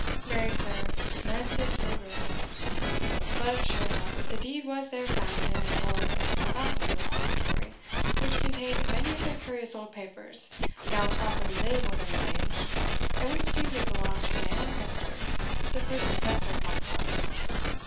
"Marry, sir, mansit odor But, sure enough, the deed was there found in a drawer of this forgotten repository, which contained many other curious old papers, now properly labelled and arranged, and which seemed to have belonged to my ancestor, the first possessor of Monkbarns.